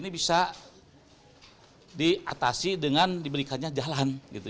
ini bisa diatasi dengan diberikannya jalan gitu